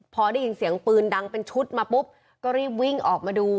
พอได้ยินเสียงปืนดังเป็นชุดมาปุ๊บก็รีบวิ่งออกมาดู